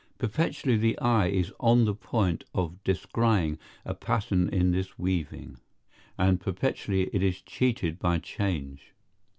Perpetually the eye is on the point of descrying a pattern in this weaving, and perpetually it is cheated by change.